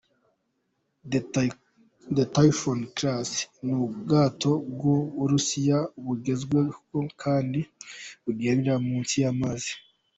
The Typhoon Class : Ni ubwato bw’u Burusiya bugezwego kandi bugendera munsi y’amazi.